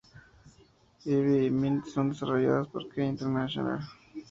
Ivy y Mint son desarrollados por Key International.